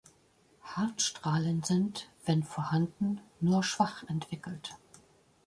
Hartstrahlen sind, wenn vorhanden, nur schwach entwickelt.